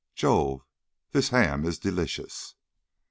Jove! This ham is delicious!"